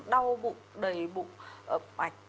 đau bụng đầy bụng ẩm ảnh